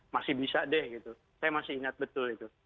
masih bisa deh gitu saya masih ingat betul itu